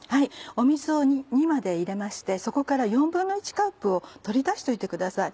水を２まで入れましてそこから１／４カップを取り出しといてください。